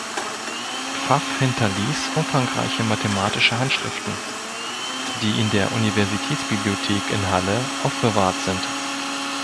Pfaff hinterließ umfangreiche mathematische Handschriften, die in der Universitätsbibliothek in Halle aufbewahrt sind.